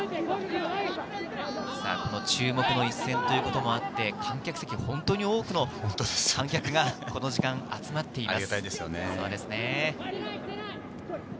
注目の一戦ということもあって、観客席は本当に多くの観客がこの時間、集まっています。